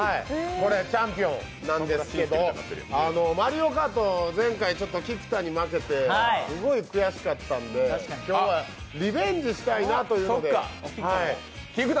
これチャンピオンなんですけど「マリオカート」前回、菊田に負けてすごい悔しかったんで、今日はリベンジしたいなというので。